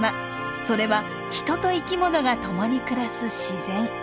それは人と生き物がともに暮らす自然。